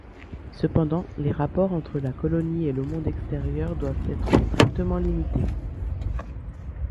Cependant, les rapports entre la colonie et le monde extérieur doivent être strictement limités.